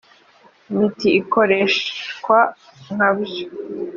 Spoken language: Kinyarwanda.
miti ikoreshwa nka byo